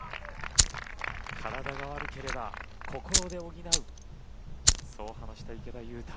体が悪ければ心で補うそう話した池田勇太